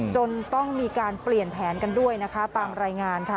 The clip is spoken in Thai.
จนต้องมีการเปลี่ยนแผนกันด้วยนะคะตามรายงานค่ะ